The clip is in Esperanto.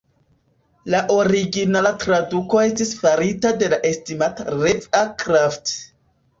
La originala traduko estis farita de la estimata Rev. A. Krafft.